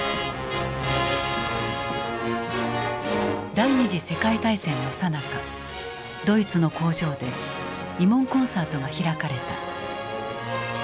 第二次世界大戦のさなかドイツの工場で慰問コンサートが開かれた。